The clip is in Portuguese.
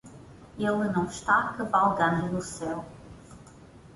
Ele não está cavalgando no céu.